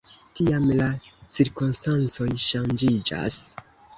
Tiam la cirkonstancoj ŝanĝiĝas.